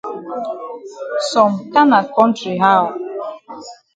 Some kana kontry how?